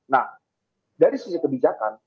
nah dari sisi kebijakan